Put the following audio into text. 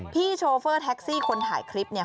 โชเฟอร์แท็กซี่คนถ่ายคลิปเนี่ย